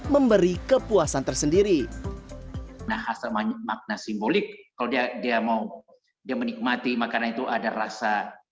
memberi kepuasan tersendiri nah asal makna simbolik kalau dia dia mau dia menikmati makanan itu ada rasa